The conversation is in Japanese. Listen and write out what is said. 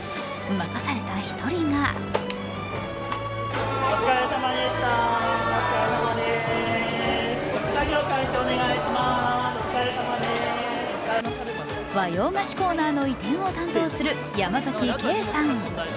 任された１人が和洋菓子コーナーの移転を担当する山崎圭さん。